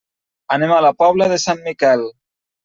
Anem a la Pobla de Sant Miquel.